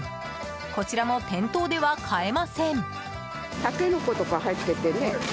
こちらも店頭では買えません。